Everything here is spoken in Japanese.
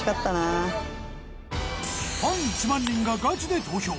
ファン１万人がガチで投票！